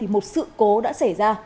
một sự cố đã xảy ra